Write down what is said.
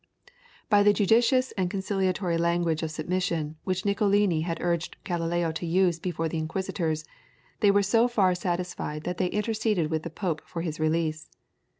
By the judicious and conciliatory language of submission which Niccolini had urged Galileo to use before the Inquisitors, they were so far satisfied that they interceded with the Pope for his release.